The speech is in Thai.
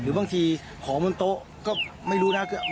บางทีของบนโต๊ะก็ไม่รู้นะ